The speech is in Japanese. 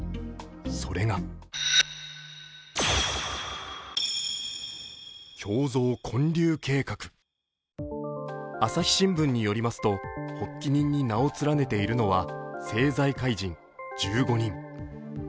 それが朝日新聞によりますと、発起人に名を連ねているのは政財界人１５人。